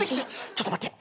ちょっと待って。